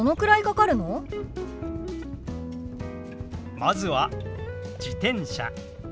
まずは「自転車」。